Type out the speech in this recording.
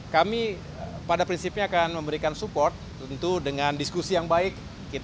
kami pada prinsipnya akan memberikan support tentu dengan diskusi yang baik